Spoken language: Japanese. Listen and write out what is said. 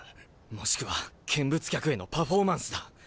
もしくは見物客へのパフォーマンスだ。